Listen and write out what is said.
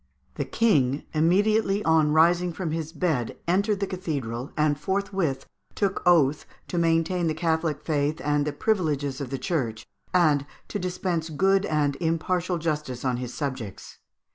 The King, immediately on rising from his bed, entered the cathedral, and forthwith took oath to maintain the Catholio faith and the privileges of the Church, and to dispense good and impartial justice to his subjects.